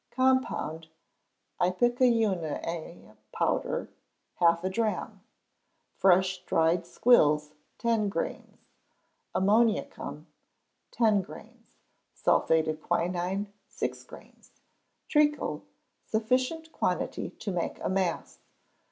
Compound ipecacuanha powder, half a drachm; fresh dried squills, ten grains; ammoniacum, ten grains; sulphate of quinine, six grains; treacle, sufficient quantity to make a mass.